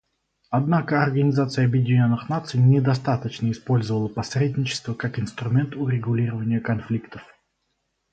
Однако Организация Объединенных Наций недостаточно использовала посредничество как инструмент урегулирования конфликтов.